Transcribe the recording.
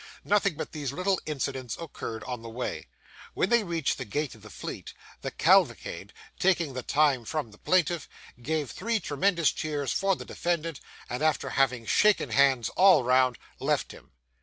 Nothing but these little incidents occurred on the way. When they reached the gate of the Fleet, the cavalcade, taking the time from the plaintiff, gave three tremendous cheers for the defendant, and, after having shaken hands all round, left him.